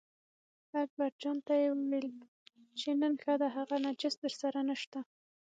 اکبرجان ته یې وویل چې نن ښه ده هغه نجس درسره نشته.